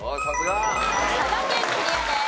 佐賀県クリアです。